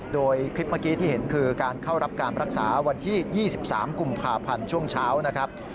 โดยคลิปเมื่อกี้ที่เห็นคือการเข้ารับการรักษาวันที่๒๓กุมภาพันธ์ช่วงเช้านะครับ